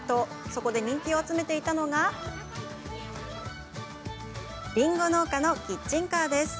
そこで人気を集めていたのがりんご農家のキッチンカーです。